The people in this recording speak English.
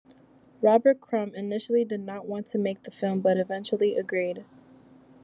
Robert Crumb initially did not want to make the film, but eventually agreed.